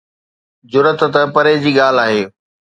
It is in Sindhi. جرئت ته پري جي ڳالهه آهي.